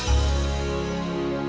jangan lupa subscribe channel ini